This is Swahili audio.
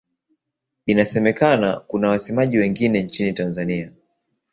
Inasemekana kuna wasemaji wengine nchini Tanzania.